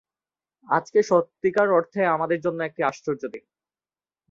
আজকে সত্যিকার অর্থে আমাদের জন্য একটা আশ্চর্য দিন।